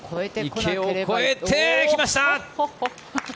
池を越えて、来ました！